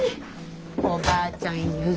おばあちゃん譲り。